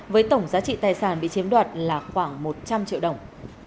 với tổng giá trị tài sản bị chiếm đoạt là khoảng một trăm linh triệu đồng